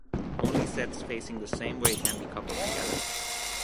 Only sets facing the same way can be coupled together.